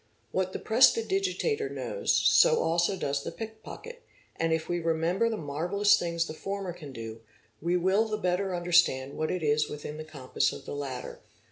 What the prestidigitator knows so also does the pickpocket, and if we remember the marvellous things the former can do we will the better understand what is within the compass of the latter.